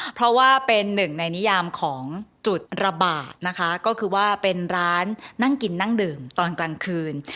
เพราะว่าเป็นหนึ่งในนิยามของจุดระบาดนะคะก็คือว่าเป็นร้านนั่งกินนั่งดื่มตอนกลางคืน